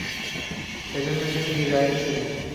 সেজন্যই তুমি গিজায় এসেছিলে।